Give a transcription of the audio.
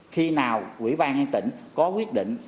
khi nào quỹ ban hay tỉnh có quyết định